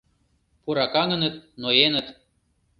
Пуракаҥыныт, ноеныт.